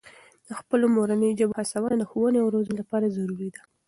د خپلو مورنۍ ژبو هڅونه د ښوونې او روزنې لپاره ضروري ده.